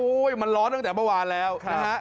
มันร้อนตั้งแต่เมื่อวานแล้วนะฮะ